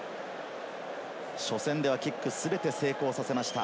初戦ではキック全て成功させました。